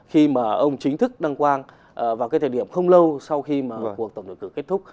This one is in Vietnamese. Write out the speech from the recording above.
khi mà ông chính thức đăng quang vào cái thời điểm không lâu sau khi mà cuộc tổng tuyển cử kết thúc